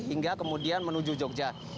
hingga kemudian menuju jogja